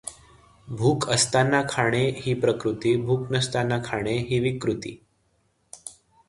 भूक असताना खाणे ही प्रकृती, भूक नसताना खाणे ही विकृती.